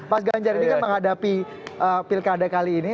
mas ganjar ini kan menghadapi pilkada kali ini